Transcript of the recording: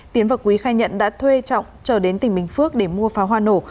tiến và quý khai nhận đã thuê trọng trở đến tỉnh bình phước để mua pháo hoa nổ